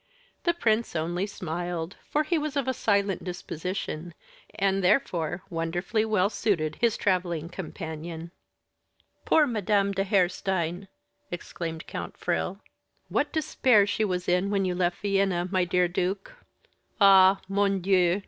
The prince only smiled, for he was of a silent disposition, and therefore wonderfully well suited his traveling companion. "Poor Madame de Harestein!" exclaimed Count Frill. "What despair she was in when you left Vienna, my dear duke. Ah! _mon Dieu!